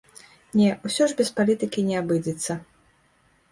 Не, усё ж без палітыкі не абыдзецца.